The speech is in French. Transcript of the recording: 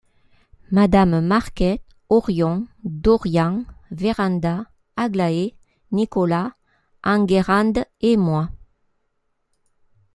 Madame Marquet, Orion, Dorian, Vérand’a, Aglaé, Nicolas, Enguerrand et moi.